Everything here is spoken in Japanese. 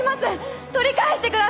取り返してください！